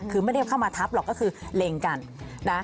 คือไม่ได้เข้ามาทับหรอกก็คือเล็งกันนะ